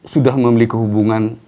sudah memiliki hubungan